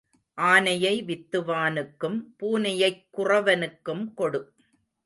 ஆனையை வித்துவானுக்கும் பூனையைக் குறவனுக்கும் கொடு.